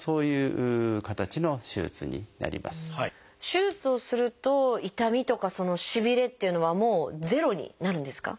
手術をすると痛みとかしびれっていうのはもうゼロになるんですか？